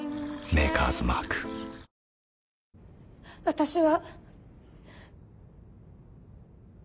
私は。